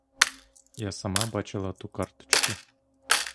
Я сама бачила ту карточку.